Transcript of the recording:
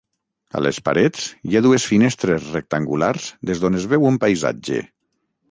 A les parets, hi ha dues finestres rectangulars des d'on es veu un paisatge.